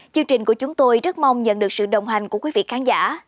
chương trình của chúng tôi rất mong nhận được sự đồng hành của quý vị khán giả